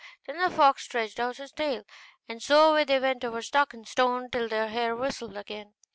Then the fox stretched out his tail, and so away they went over stock and stone till their hair whistled again.